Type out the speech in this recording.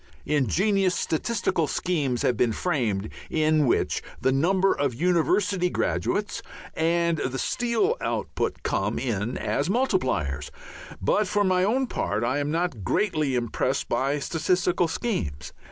Ingenious statistical schemes have been framed in which the number of university graduates and the steel output come in as multipliers, but for my own part I am not greatly impressed by statistical schemes.